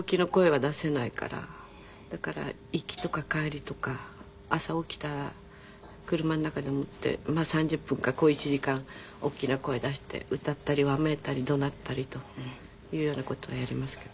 だから行きとか帰りとか朝起きたら車の中でもって３０分か小一時間大きな声出して歌ったりわめいたり怒鳴ったりというような事はやりますけど。